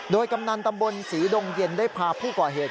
โดยกำนันตำบลศรีดงเย็นได้พาผู้ก่อเหตุ